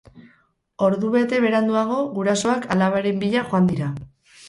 Ordubete beranduago, gurasoak alabaren bila joan dira.